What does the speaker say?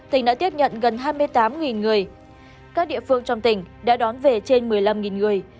tỉnh đã tiếp nhận gần hai mươi tám người các địa phương trong tỉnh đã đón về trên một mươi năm người